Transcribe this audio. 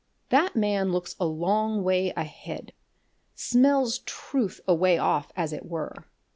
That man looks a long way ahead smells truth away off, as it were.